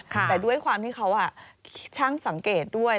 แต่ด้วยความที่เขาช่างสังเกตด้วย